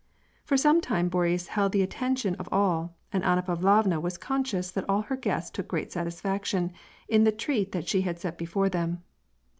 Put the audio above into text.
For some time Boris held the attention of all, and Anna Pavlovna was conscious that all her guests took great satisfaction in the treat that she had set before them.